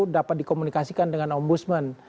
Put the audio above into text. dapat dikomunikasikan dengan om budsman